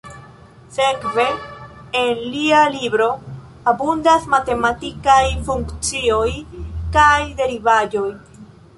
Sekve, en lia libro abundas matematikaj funkcioj kaj derivaĵoj.